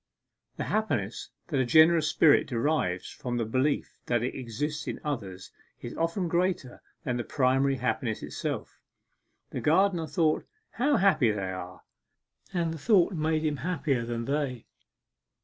The happiness that a generous spirit derives from the belief that it exists in others is often greater than the primary happiness itself. The gardener thought 'How happy they are!' and the thought made him happier than they.